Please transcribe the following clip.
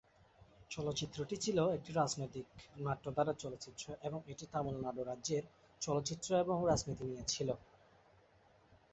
চলচ্চিত্রটি ছিলো একটি রাজনৈতিক-নাট্য ধারার চলচ্চিত্র এবং এটি তামিলনাড়ু রাজ্যের চলচ্চিত্র এবং রাজনীতি নিয়ে ছিলো।